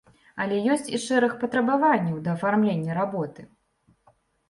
Але ёсць і шэраг патрабаванняў да афармлення работы.